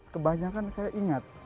kebanyakan saya ingat